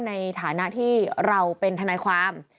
ในฐานะที่เราเป็นทนายความ